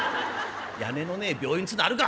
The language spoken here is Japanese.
屋根のねえ病院っつうのあるか。